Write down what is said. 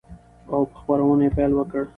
او په خپرونو يې پيل وكړ،